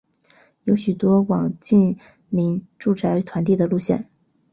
有许多网近邻住宅团地的路线。